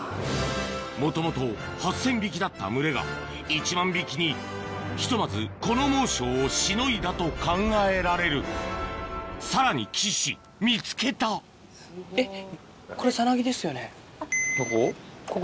もともと８０００匹だった群れが１万匹にひとまずこの猛暑をしのいだと考えられるさらに岸見つけたどこ？